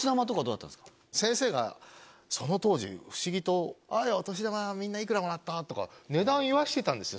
先生がその当時不思議と「お年玉みんないくらもらった？」とか値段言わせてたんですよ